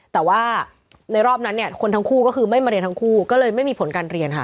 แต่ว่าในรอบนั้นเนี่ยคนทั้งคู่ก็คือไม่มาเรียนทั้งคู่ก็เลยไม่มีผลการเรียนค่ะ